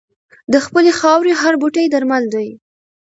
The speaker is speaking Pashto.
د خپلې خاورې هر بوټی درمل دی.